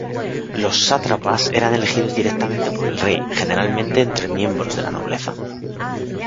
Los sátrapas eran elegidos directamente por el rey, generalmente entre miembros de la nobleza.